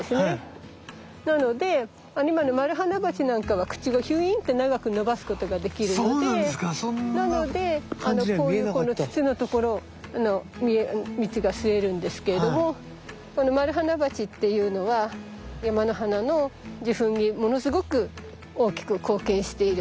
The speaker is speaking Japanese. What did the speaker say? なので今のマルハナバチなんかは口をヒュイーンって長く伸ばすことができるのでなのでこういうこの筒のところの蜜が吸えるんですけれどもこのマルハナバチっていうのは山の花の受粉にものすごく大きく貢献している昆虫で。